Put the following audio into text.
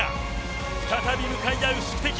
再び向かい合う宿敵。